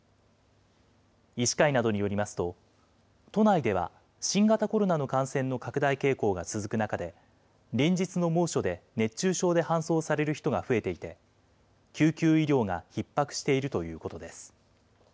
医師会などによりますと、都内では新型コロナの感染の拡大傾向が続く中で、連日の猛暑で熱中症で搬送される人が増えていて、救急医療がひっ迫しているということです。